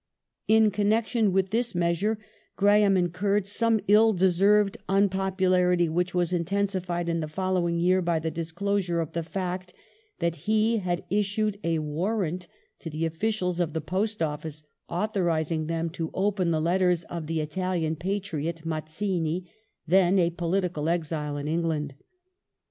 In connection with this measure Graham incurred some ill deserved unpopulaiity which was intensified in the following year by the disclosure of the fact that he had issued a warrant to the officials of the Post Office authorizing them to open the letters of the Italian patriot, Mazzini — then a political exile in England.